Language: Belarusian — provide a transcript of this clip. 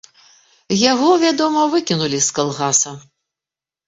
Яго, вядома, выкінулі з калгаса.